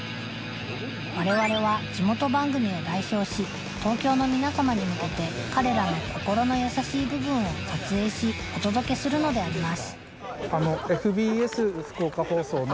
われわれは地元番組を代表し東京の皆様に向けて彼らの心の優しい部分を撮影しお届けするのであります